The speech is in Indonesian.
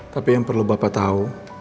tapi yang perlu bapak tahu